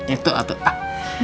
itu waktu tak